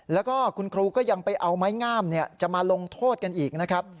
แล้วก็คุณครูก็ยังไปเอาไม้งามจะมาลงโทษกันอีกนะครับ